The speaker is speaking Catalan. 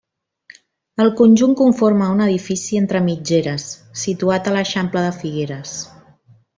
El conjunt conforma un edifici entre mitgeres situat a l'eixample de Figueres.